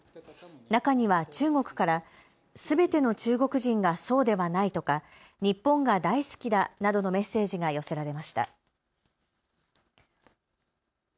中には中国からすべての中国人がそうではないとか、日本が大好きだなどのメッセージが寄せられました。